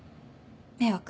迷惑？